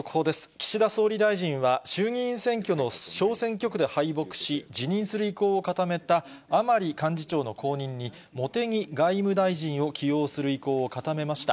岸田総理大臣は衆議院選挙の小選挙区で敗北し、辞任する意向を固めた甘利幹事長の後任に、茂木外務大臣を起用する意向を固めました。